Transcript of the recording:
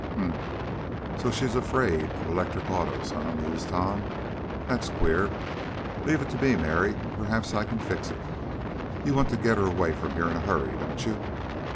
"Humph! So she's afraid of electric autos; eh?" mused Tom. "That's queer. Leave it to me, Mary, and perhaps I can fix it. You want to get her away from here in a hurry; don't you?"